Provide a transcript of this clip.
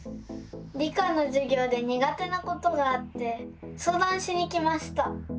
理科のじゅぎょうでにが手なことがあってそうだんしに来ました。